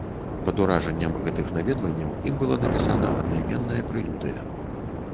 Пад уражаннем гэтых наведванняў ім была напісана аднайменная прэлюдыя.